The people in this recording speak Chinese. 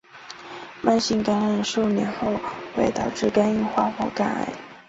慢性感染数年后会导致肝硬化或肝癌。